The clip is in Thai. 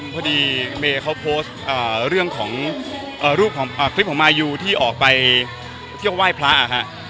พอดีเมย์เขาโพสต์เรื่องของรูปของคลิปของมายูที่ออกไปเที่ยวไหว้พระ